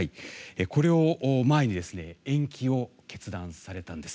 これを前に延期を決断されたんです。